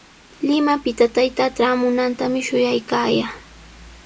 Limapita taytaa traamunantami shuyaykaayaa.